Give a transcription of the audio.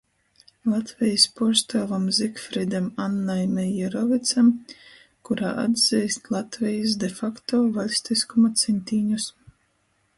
Latvejis puorstuovam Zigfridam Annai Meierovicam, kurā atzeist Latvejis de facto vaļstiskuma ceņtīņus.